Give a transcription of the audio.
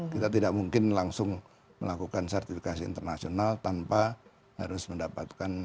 kita tidak mungkin langsung melakukan sertifikasi internasional tanpa harus mendapatkan